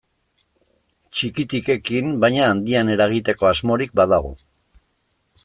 Txikitik ekin baina handian eragiteko asmorik badago.